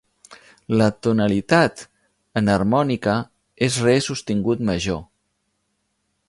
La tonalitat enharmònica és re sostingut major.